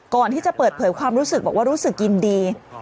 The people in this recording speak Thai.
ก่อนที่จะเปิดเผยความรู้สึกบอกว่ารู้สึกยินดี